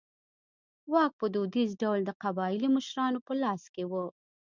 واک په دودیز ډول د قبایلي مشرانو په لاس کې و.